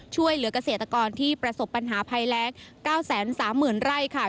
ช่วยเหลือกเกษตรกรที่ประสบปัญหาภัยแรง๙๓๐๐๐ไร่ค่ะ